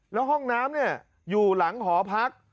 แล้วห้องน้ำอยู่หลังหอพัก